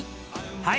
はい。